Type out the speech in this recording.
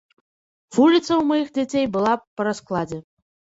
Вуліца ў маіх дзяцей была па раскладзе.